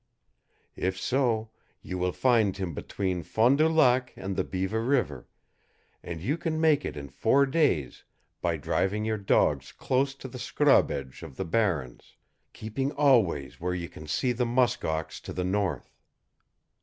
If so, you will find him between Fond du Lac and the Beaver River, and you can make it in four days by driving your dogs close to the scrub edge of the barrens, keeping always where you can see the musk ox to the north."